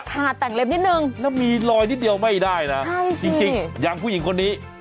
ค่ะแต่งเล็บนิดนึงแล้วมีรอยนิดเดียวไม่ได้นะจริงอย่างผู้หญิงคนนี้